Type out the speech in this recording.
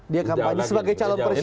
dia kampanye sebagai calon presiden